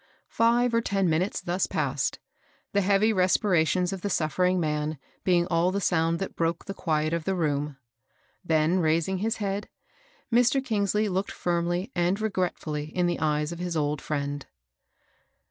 Five or ten minutes thus passed, the heavy respirations of the suffering man being all the sound that broke the quiet of the room. Then raising his head, Mr. Eingsley looked firmly and regretftdly in the eyes of his old friend.